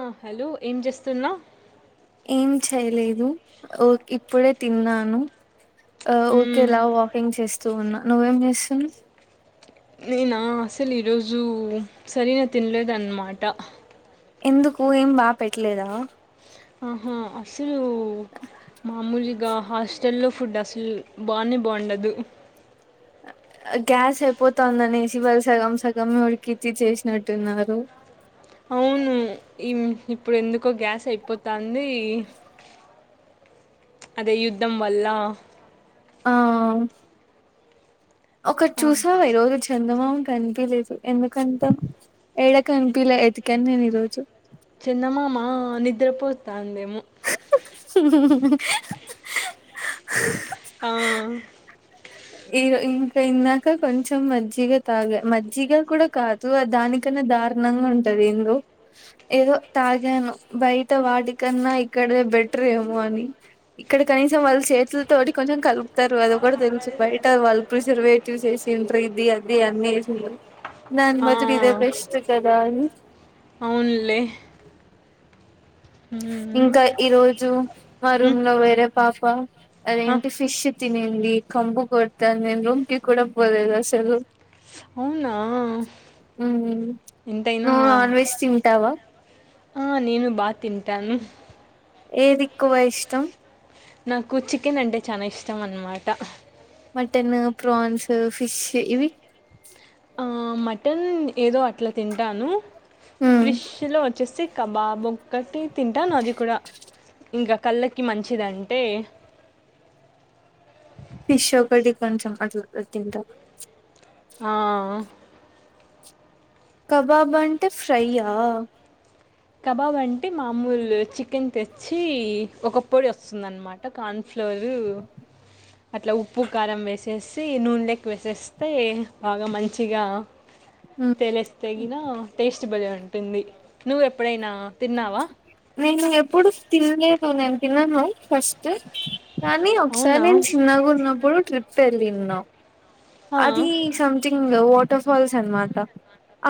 ఆ హలో ఏం చేస్తున్నావు తేలేదు ఓ ఇప్పుడే తిన్నాను ఆ ఊరికె మ్మ్ ఇలా వాకింగ్ చేస్తూ ఉన్నా నువ్ ఏం జేస్తున్నావ్ నేనా అసలు ఈరోజు సరియన్ తిన్ లేద్ అన్ మాట ఎందుకు ఏం బాగ్ పెట్టలేదా ఆహా అస్ ఇల్లు మామూలుగా హాస్టల్లో ఫుడ్ అసలు బానే బాగుండదు గ్యాస్ అయిపోతందనేసి వాళ్లు సగం సగం ఉడికిచ్చి చేసినట్టున్నారు అవును ఇమ్ ఇప్పుడు ఎందుకో గ్యాస్ అయిపోతంది అదే యుద్ధం వల్ల ఆ ఒకటి ఆ చూసావా ఈ రోజు చందమామ కనిపియలేదు ఎందుకంటవ్ ఏడ కనిపియలే ఎతికాను నేను ఈ రోజు చందమామ నిద్రపోతందేమో [inaudible] ఆ ఈరో ఇంకా ఇందాక కొంచెం మజ్జిగా తాగా మజ్జిగా కూడా కాదు అది దానికన్నా దారుణంగా ఉంటది ఎందో ఏదో తాగాను బయట వాటికన్నా ఇక్కడేదే బెటర్ ఏమో అని ఇక్కడ కనీసం వాళ్ళు చేతుల తోటి కొంచెం కలుపు తారు అది గూడా తెలుసు వల్ ప్రిసర్వేటివ్స్ ఎసింట్రు ఇది అది అన్ని వేసింటరు దాన్ బదులు ఇదే బెస్ట్ కదా అని అవున్ లే ఇంకా ఈ రోజు మా మ్మ్ రూమ్ లో వేరే పాప్ పా ఆ అదేంటి ఫిష్ తిన్ ఏంది కంపు కొడతాంది నేను రూంకి కూడా పోలేదు అసలు అవునా మ్మ్ ఎంతయినా నువు నాన్ వెజ్ తింటావా ఆ నేను బాగా తిన్ టాను ఏది ఎక్కువ ఇష్టం. నాకు చికెన్ అంటే చానా ఇష్టం అన్నమాట. మటన, ప్రాన్స్, ఫిష్ ఇవి ఆ మటన్ ఏదో అట్ల తింటాను. మ్మ్ ఫ్రిష్ లో వచ్చేసి కబాబ్ ఒక్కటి తింటాను అది కూడా. ఇంగా కళ్ళకి మంచిదంటే ఫిష్ ఒకటి కొంచెం అట్లాటతింటా. ఆహ్ కబాబ్ అంటే ఫ్రైయ్యా. కబాబ్ అంటే మామూల చికెన్ తెచ్చీ, ఒక పొడి వస్తుందన్నమాట కాన్ ఫ్లోరూ అట్ల ఉప్పు కారం వేస్ వేసీ నూనె లోకి వేసేస్తే, బాగా మంచిగా మ్. తెలిస్తే గినా టేస్ట్ స్ట్ బలే ఉంటుంది. నువ్వు ఎప్ ప్పుడైనా నేను ఎప్పుడు తిన్లేదు నేన్. తిన్నానోయి ఫస్ట్ కానీ ఒకసారి అవునా నేన్ చిన్నగా ఉన్నప్పుడు ట్రిప్ కెళ్ళి తిన్నా ఆ, అదీ సమ్థింగ్ వాట్ టర్ ఫాల్స్ అన్మాట.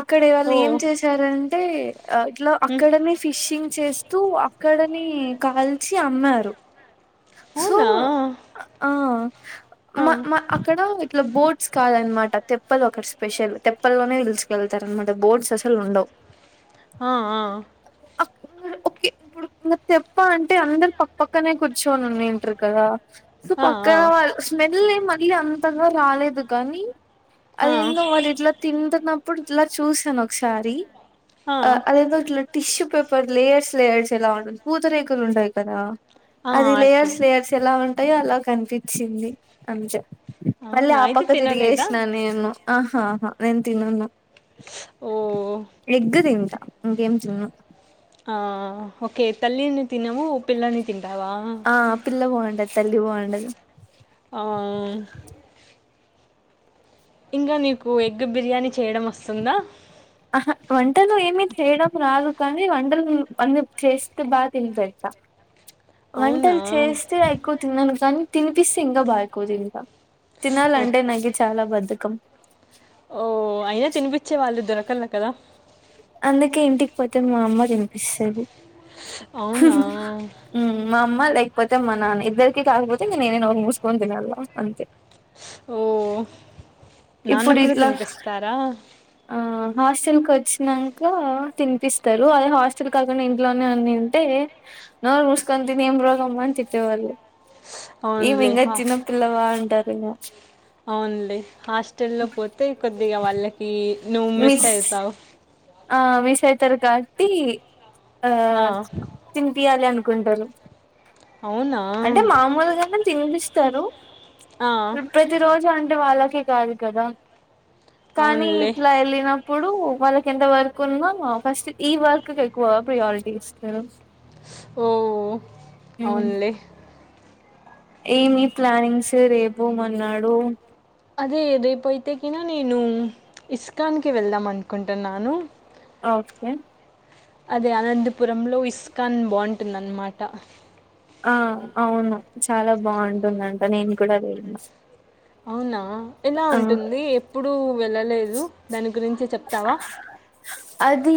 అక్కడ ఓ వాళ్ళు ఏం చేశారంటే, అట్లా ఉమ్, అక్కడనే ఫిషింగ్ చేస్తూ, అక్కడనే కాల్చి అమ్మారు. సో అవునా ఆ ఆ, మా మా అక్కడా ఇట్ల బోట్ గ్స్ కాదన్నమాట. తెప్పల్ ఒక స్పెషల్ తెప్పల్లోనే హిల్స్ కి ఎళ్తారు అన్మాట. బోట్స్ అసల్ ఉండవ్. ఆ ఆ అక్ ఇంగడ ఒకే ఇప్పుడు ఇంగ తెప్పా అంటే అందరు పక్క పక్కనే కూర్ ర్చొన్ ఉండింటర్ కదా. సో ఆ, ఆ, పక్కన వాల్ స్మెల్ ఏం అం వీగా అంతగా రాలేదు గానీ ఆ, అది ఏందో వాళ్ళ ఇట్ల తింటున్నప్ ప్పుడు ఇట్లా చూసాను ఒకసారీ. ఆ అదేదో ఇట్ల tissue paper layers layers ఎలా ఉ పూతరేకులు ఉంటాయి కదా ఆ, అది అట్లా లేయర్స్ లేయర్స్ ఎలా ఉంటాయో అలా కనిపిచ్చింది అని మళ్ళ అవునా ఆ అయితే పక్క తినలేదా తిరిగేసిన నేను ఆహాహా నేను తినను ఓ ఎగ్గు తింటా ఇంకె చా ఆ ఓకే తల్లిని తినము పిల్లని తింటము ఆ పిల పోవండ తల్లిపోవండదు ఆ, ఇంకా నీకు ఎగ్ బిర్యానీ చేయడం వస్తుందా వంటలు ఏమిీ చేయడం రాదు కానీ వంటలు అన్న చేస్తే బాగా తినిపచ్చ అవునా వంటలు చేస్తే అయికుతున్నాను కానీ తన్ పిస్ సింగ బ దింకా తినాల ఓ అంటే నాగి చాలా బధకం ఓ అయినా తినిపచ్చే వాళ్ళు దొరకలా కదా అందుకే ఇంటికి పోతే మా అమ్మ తినిపిస్తాది అవునా మామ్ లేకపోతే మా నాన్న ఇద్దరికి కాకపోతే ఇ నేనేో మూసుకొని తినాల అంతే ఓ నాన్న ఇప్పుడు కూడా తినిపిస్తారా హాస్టెల్కి వచ్చి న్నాక తినిపిస్తారు అదే హాస్టల్ కాకుండా ఇంట్లోనే అ తంటే నువ్వు రూసుకొని తిని ఏం రోగమ్మా అని తిట్టేవాళ్ళు అవునులే ఈమిింగ చిిన పిల్లవ అంటారు అ అవును హాస్టల్ల్లో పోతే కొద్దిగా వాళ్ళకి నువ్వు మిస్ అవుతావు ఆ విష అతారు కాట్టి అ ఆ, తంపి ఆ్యాను కుంటారు అవునా అంటే మామూలుగానే తింపి తను ఆ, ప్రతి రోజు అంటే పండవాకి కదు కద కానీ అవునులే ఇట్లా ఎలిన ఇప్పుడు వాళ్ళ ఎంత వర్క్ ఉందో ఫస్ట్ ఈ వర్క్ ఎక్కువ ప్రియారిటీ ఇస్ ఓ అవున్లే ఏమి ప్లానింగ్స్ రేపు మన్నాడు అదే రేపు అయితే కనా నేను ఇస్కాన్ కి వెళ్దాం అనుకుంటున్నాను ఓకే అదే అనంతపురంలో ఇస్కాన్ బాగుంటుందన్నమాట ఆ అవును చాలా బాగుంటుందంట నేను కూడా వెళిన అవునా ఎలా ఉంటుంది ఎప్పుడూ వెళ్ళలేదు దాని గురించి చెప్తావా అది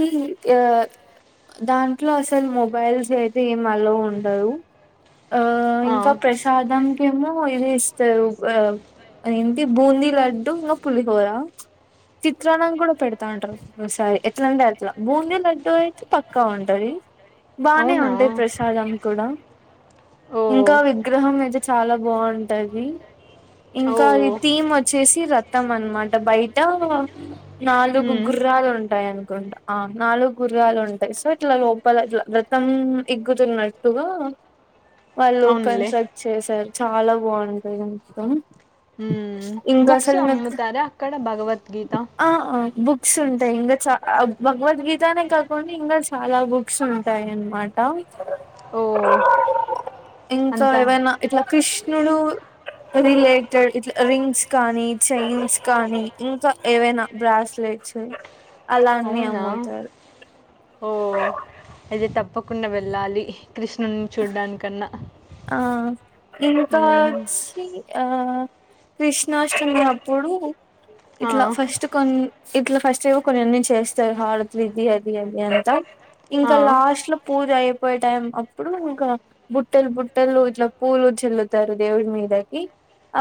ఆ దాంట్లో అసలు మొబైల్స్ అయితే ఏం అలో ఉండదు ఆ ఆ! ఇంకా ప్రసాదం ఏమో ఇది ఇస్తారు ఏంటి బూందీ లడ్డు ఇంకా పులిహోర చిత్రాలని కూడా పెడతా ఉంటారు ఒకసారి ఎట్లాంటే అట్లా బూందీ లడ్డు అయితే పక్కా ఉంటుంది బానే అవునా? ఉంటాయి ప్రసాదం కూడా ఇంకా ఓహ్! విగ్రహం అయితే చాలా బా బాగుంటది ఇంకా ఈ ఓహ్! థీమ్ వచ్చేసి ర వస్తాం అనమాట బయట నాలుగు హ్మ్. గుర్రాలు ఉంటాయి అనుకుంటా ఆ నాలుగు గుర్రాలు ఉంటాయి సో ఇట్లా లోపల ఇట్లా రథం ఎక్కుతున్నట్టుగా వాళ్ళు అవునులే. కన్స్ట్రక్ట్ చేశారు చాలా బాగుంటాయి రథం [unintelligible] ఉమ్మ్ బుక్స్ అమ్ముతారా అక్కడ భగవద్గీత ఆ బుక్స్ ఉంటాయి ఇంకా చ భగవద్గీతనే కాకుండా ఇంకా చాలా బుక్స్ ఉంటాయి అన్నమాట ఓహ్! ఇంకా అంతా ఏవైనా ఇట్ల క్రిష్ కృష్ణుడు రిలేటెడ్ ఇట్లా రింగ్స్ కానీ చైన్స్ కానీ ఇంకా ఏవైనా బ్రాస్లెట్స్ అలాఅన్ని అమ్ముతారు ఓ ఐతే త తప్పకుండా వెళ్ళాలి కృష్ణుని చూడ్డానికన్నా ఆ ఇంకా హ్మ్. అచ్చి ఆ కృష్ణాష్టమి అప్పుడు ఆ! ఇట్లా ఫస్ట్ కొన్ ఇట్లా ఫస్ట్ ఏవో కొన్ని అన్ని చేస్తాయి హారతులు ఇది అది అది అంతా ఆ! ఇంకా లాస్ట్ లో పూజ అయిపోయే టైం అప్పుడు ఇంకా బుట్టెలు బుట్ట బట్టలు ఇట్లా పూలు చల్లుతారు దేవుడి మీదకి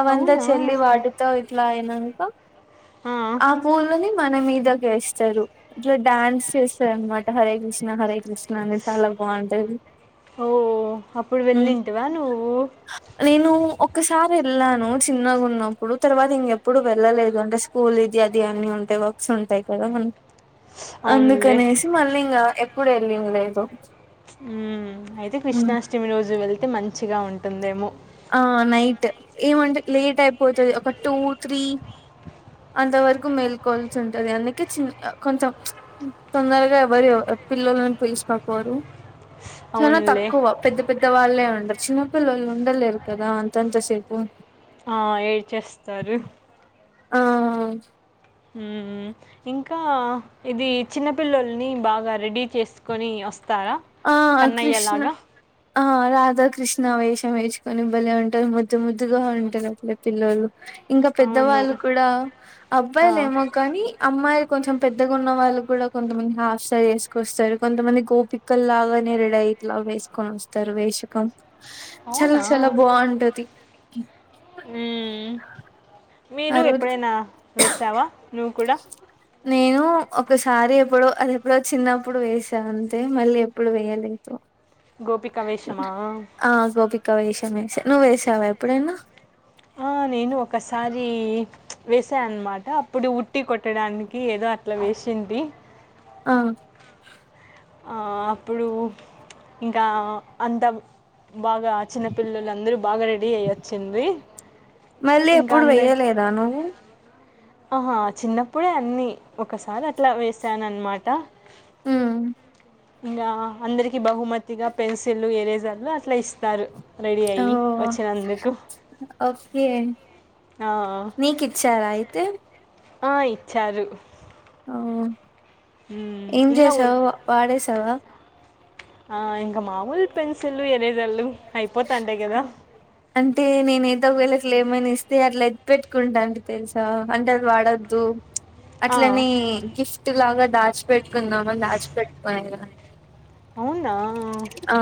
అవంతా అవునా? చల్లి వాటితో ఇట్లా అయినంక ఆ పూలని మన మీదకెస్తరు ఇట్లా డ్యాన్స్ చేస్తారు అనమాట హరే కృష్ణ హరే కృష్ణ అని చాలా బాగుంటది ఓహ్! అప్పుడు ఉమ్ వెళ్ళిండు రా నువ్వు ఒకసారి వెళ్ళాను చిన్నగున్నప్పుడు తర్వాత ఇంకెప్పుడు వెళ్ళలేదు అంటే స్కూల్ ఇది అది అన్నీ ఉంటాయి వర్క్స్ ఉంటాయి కదా మనం అవునులే. అందుకనేసి మళ్ళీ ఇంకా కూడా ఎల్లింది లేదు అయితే కృష్ణాష్టమి రోజు వెళ్త అయితే మంచిగా ఉంటుందేమో ఆ నైట్ ఏమంటే లేట్ అయిపోతది ఒక టూ త్రీ అంత వరకు మేల్కోవాల్సి ఉంటది అందుకే చి కొంచెం తొందరగా ఎవరు పిల్లోలని పిలుచకపోరు చాలా అవునులే తక్కువ పెద్ద పెద్ద వాళ్ళే ఉండరు చిన్న పిల్లలు ఉండలేరు కదా అంతంతసేపు ఆ ఎడిచేస్తారు ఆ మ్ ఇంకా ఇది చిన్నపిల్లోల్ని బాగా రెడీ చేసుకొని వస్త ఆ కృష్ణ ఆ రాధాకృష్ణ వేషం వేచుకొనిబలే ఉంటారు ముద్దు ముద్దుగా ఉంటారు అలే పిల్లోలు ఇంకా పెద్ద అవును వాళ్ళు కూడా ఆ. అబ్బాయిలు ఏమో కానీ అమ్మాయిలు కొంచెం పెద్దగా ఉన్న వాళ్ళు కూడా కొంతమంది హాఫ్సారి వేసుకొస్తారు కొంతమంది గోపి ముక్కల్లాగా నెరడయి ఇట్లా వేసుకొని వస్తారు వేషకం చల్ అవునా చాల బాగుంటది మ్మ్. ఆ మీరు రోజు ఎప్పుడైనా వేసవా నువ్వు కూడ నేను ఒకసారి ఎప్పుడో అది ఎప్పుడో చిన్నప్పుడు వేసా అంతే మళ్ళీ ఎప్పుడు వేయలేదు గోపిక వేషమా ఆ గోపిక వేష నేను వేసా నువ్వు వేసావా ఎప్పుడేనా ఆ నేను ఒకసారి వేసాఅన్నమాట అప్పుడు ఉట్టి కొట్టడానికి కీ ఏదో అట్లా వేసింది ఆ ఆ అప్పుడు ఇంకా అంత బాగా చిన్న పిల్లలందరూ బాగా రెడీ అయి వొచ్చింది మళ్ళీ ఇంకా ఎప్పుడు అందే వేయలేదా నువ్వు ఆహా చిన్నప్పుడే అన్ని ఒకసారి అట్లా వేసాను అనమాట మ్ ఇంకా అందరికి బహుమతిగా పెన్సిల్లు ఎరేజర్లు అట్లా ఇస్తారు రెడీ ఓ అయ్యి వచ్చినందుకు ఓకే నీకు ఇచ్చారా అయితే ఆ ఇచ్చారు అఓ ఏం చేసావ్ వాడేసావా ఆ ఇంగ మామూల్ పెన్సిల్లు ఎరే ఇదల్లు అయిపోతాండే కదా అంటే నేను ఏదో ఒక వెళ్ళకి లే ఏమని ఇస్తే అట్లా ఎతిపెట్టుకుంటాంటి తెలుసా అంటే అది వాడొద్దు అట్లనే గిఫ్ట్ లాగా దాచ్పెట్ కొంతమంది దాచి పెట్టుకోనే అవునా ఆ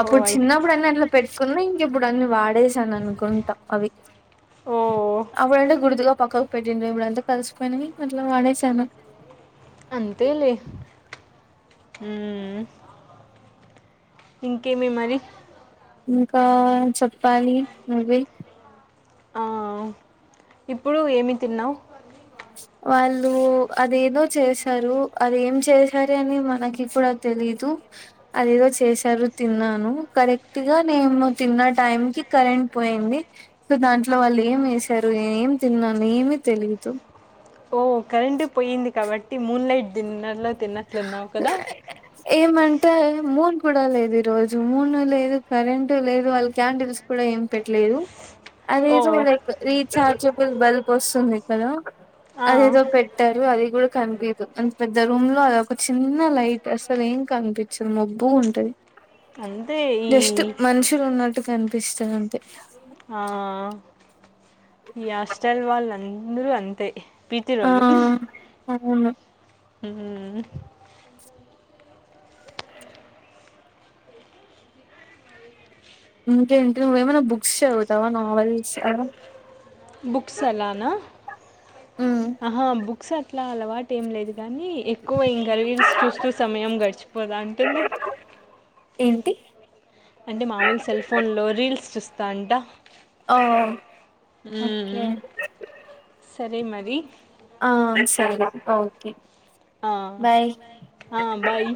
ఓ అయి చిన్నప్పుడు అన్న ఇందులో పెట్టుకున్నయ్ ప్పుుడన్ వా [unintelligible] చేసాననుకుంటా అవి ఓ అప్పుడంటే గుర్తుగా పక్కకు పెట్టిండ్రు ఇప్పుడంతా కలిసిపోయినవి ఇట్లా వాడేసాను అంతే లే ఉ ఇంకేమి మరి ఇంకా చెప్పాలి నువ్వే ఆ ఇప్పుడు ఏమి తిన్నావు వాళ్ళు అదేదో చేశారు అదేం చేశార అని మనకి కూడా తెలీదు అదేదో చేశారు తిన్నాను కరెక్ట్గా నేను తిన్న టైం కి కరెంట్ పోయింది సో దాంట్లో వాళ్ళు ఏం వేసారు ఏం తిన్నాను ఏమి తెలియదు ఓ కరెంట్ పోయింది కాబట్టి మూన్లైట్ డిన్నర్ ఏమంటా ముూన్ కూడా లేదు ఈ రోజు మూను లేదు కరెంట్ లేదు వాళ్ళు క్యాండిల్స్ కూడా ఏం పెట్టలేదు అదే ఓ లైక్ రీచార్జబుల్ బల్బ్ వస్తు స్తుంది కదా ఆ, అదేదో పెట్టారు అది కూడా కనిపీదు అంత పెద్ద రూమ్ లో అదొక చిన్న లైట్ అసలు ఏం కనిపిచదు మబ్్బుగా ఉంటది అంతే ఈ జస్ట్ మనుషులు ఉన్నట్టు కనిపి దృష్టంత [unintelligible] ఆ ఈ హాస్టల్ వాళ్ళ అందరూ అంతే ఆ పీతిరొళ్ళు అవును హ ఇంకేంటి నువ్్వేమైనా బుక్స్ చదువుతావా నావెల్స్ అ బుక్స్ అలానా హా బుక్స్ అలవాటెమ్ లేదు కానీ ఎక్కువ ఇంటర్వూస్ చూస్తూ సమయం గడిచిపోదా ఉంటుంది ఏంటి అంటే మామూలు సెల్ ఫోన్ లో రీల్స్ చూస్త తంట ఓ ఓకే ఉమ్ వ [unintelligible] ఆ సరే ఓకే ఆ బాయ్ ఆ బాయ్